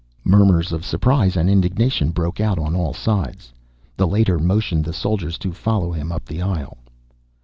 Murmurs of surprise and indignation broke out on all sides. The Leiter motioned the soldiers to follow him up the aisle.